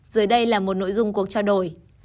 dưới đây là một nội dung cuộc trao đổi